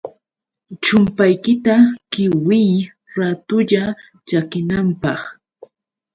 chumpaykita qiwiy raatulla chakinanpaq.